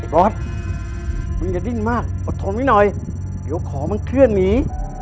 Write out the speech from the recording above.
บอสมันกระดิ้นมากปลอดภัยนิดหน่อยเดี๋ยวของมันเคลื่อนหนี